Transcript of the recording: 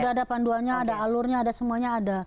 sudah ada panduannya ada alurnya ada semuanya ada